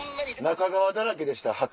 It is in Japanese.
中川だらけでした墓。